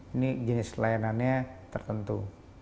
ini jenis layanannya tertentu